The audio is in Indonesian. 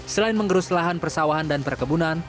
selain mengerus lahan persawahan dan perkebunan